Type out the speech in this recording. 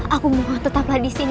aku mohon tetaplah disini